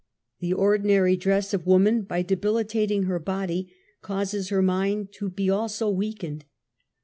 The ordinary dress of woman by debilitating her body causes her mind to be also weakened.